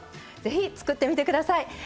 是非作ってみてください。